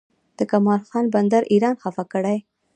د کمال خان بند ایران خفه کړی؟